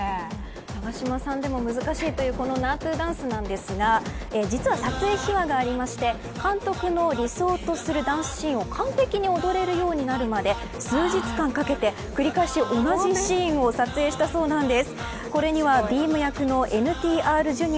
永島さんでも難しいというナートゥダンスですが撮影秘話があって監督の理想とするダンスシーンを完璧に踊れるようになるまで数日間かけて繰り返し同じシーンを撮影したそうなんです。